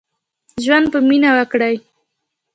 ژوند په مينه وکړئ.